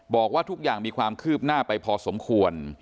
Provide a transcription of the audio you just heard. บอกว่าทุกอย่างมีความคืบหน้าไปพอสมควร